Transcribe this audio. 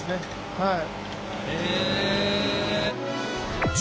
はい。